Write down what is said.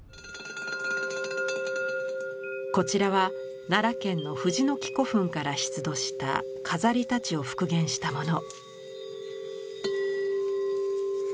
こちらは奈良県の藤ノ木古墳から出土した「飾り大刀」を復元したもの。